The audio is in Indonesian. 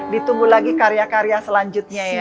ditunggu lagi karya karya selanjutnya ya